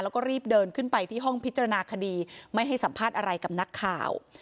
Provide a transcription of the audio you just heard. แล้วก็รีบเดินขึ้นไปที่ห้องพิจารณาคดีไม่ให้สัมภาษณ์อะไรกับนักข่าว